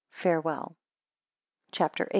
Farewell. CHAPTER VIII.